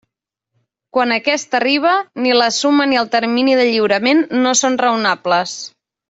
Quan aquest arriba, ni la suma ni el termini de lliurament no són raonables.